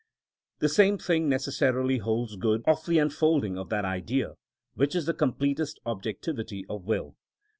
The same thing necessarily holds good of the unfolding of that Idea which is the completest objectivity of will.